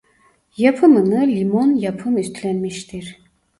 Yapımını Limon Yapım üstlenmiştir.